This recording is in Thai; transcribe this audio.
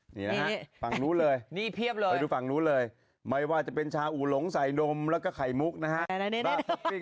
หนี้ภังนู้นเลยไปที่ฝั่งนู้นเลยไม่ว่าจะเป็นชาอู๋หลงใส่นมและไข่มุกนะครับ